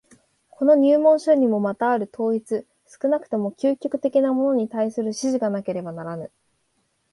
この入門書にもまたある統一、少なくともある究極的なものに対する指示がなければならぬ。